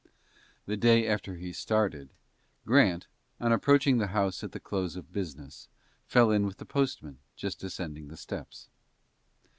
The day after he started Grant, on approaching the house at the close of business, fell in with the postman, just ascending the steps.